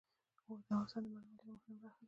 اوښ د افغانستان د بڼوالۍ یوه مهمه برخه ده.